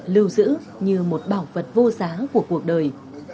lưu giữ như một bảo vật vô giá của cuộc đời